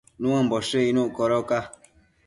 Nuëmboshë icnuc codoca